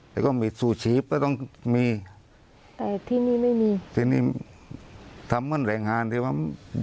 แล้วก็มีซูชีพก็ต้องมีแต่ที่นี่ไม่มีทีนี้ทำเหมือนแรงงานที่ว่า